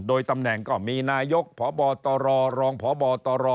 โดยตำแหน่งก็มีนายกพบตรรองพบตร